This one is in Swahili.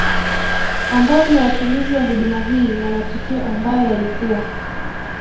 Ambao ni watumizi wa huduma hii na matukio ambayo yalikuwa